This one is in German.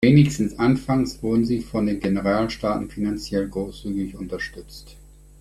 Wenigstens anfangs wurden sie von den Generalstaaten finanziell großzügig unterstützt.